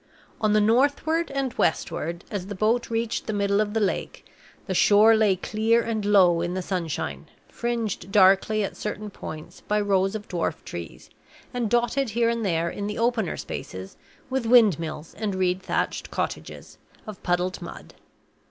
On the northward and westward, as the boat reached the middle of the lake, the shore lay clear and low in the sunshine, fringed darkly at certain points by rows of dwarf trees; and dotted here and there, in the opener spaces, with windmills and reed thatched cottages, of puddled mud.